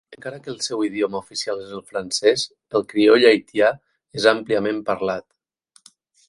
Encara que el seu idioma oficial és el francès, el crioll haitià és àmpliament parlat.